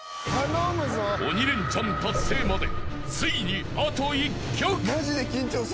［鬼レンチャン達成までついにあと１曲］